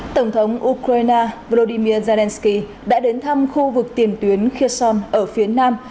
tổng thống ukraine vladimir zelensky đã đến thăm khu vực tiềm tuyến kherson ở phía nam